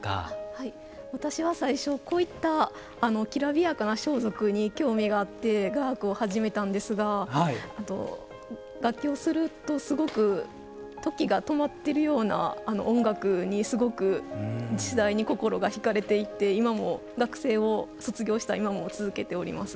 はい私は最初こういったきらびやかな装束に興味があって雅楽を始めたんですが楽器をするとすごく時が止まってるような音楽にすごく次第に心が引かれていって今も学生を卒業した今も続けております。